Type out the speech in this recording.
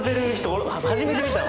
俺初めて見たよ。